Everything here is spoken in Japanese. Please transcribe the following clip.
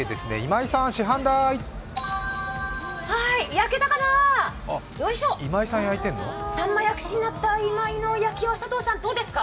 焼けたかな、さんま焼き師になった今井の腕はどうですか？